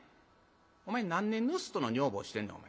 「お前何年盗人の女房してんねんお前。